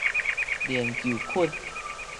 鏈球菌